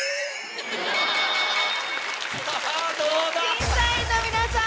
審査員の皆さん